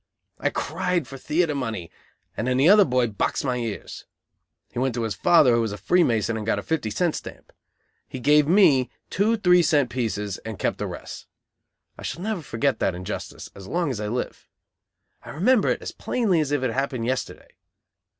I cried for theatre money, and then the other boy boxed my ears. He went to his father, who was a free mason, and got a fifty cent "stamp." He gave me two three cent pieces and kept the rest. I shall never forget that injustice as long as I live. I remember it as plainly as if it happened yesterday.